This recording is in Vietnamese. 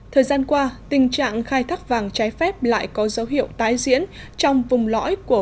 thời gian qua tình trạng khai thác vàng trái phép lại có dấu hiệu tái diễn trong vùng lõi của